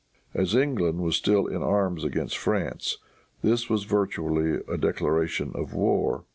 As England was still in arms against France, this was virtually a declaration of war.